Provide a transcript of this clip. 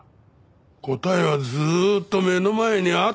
答えはずーっと目の前にあったんだ。